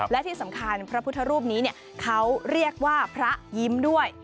และที่สำคัญพระพุทธรูปนี้เขาเรียกว่าพระยิ้มด้วย